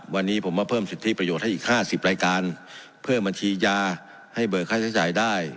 วันนี้ผมมาเพิ่มสิทธิประโยชน์ให้อีก๕๐รายการเพิ่มบัญชียาให้เบิกค่าใช้จ่ายได้